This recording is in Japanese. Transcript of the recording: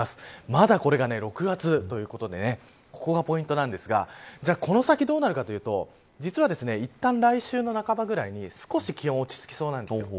まだこれが６月ということでここがポイントなんですがこの先どうなるかというといったん、来週の半ばぐらいに少し気温が落ち着きそうなんです。